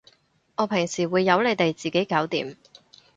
我平時會由你哋自己搞掂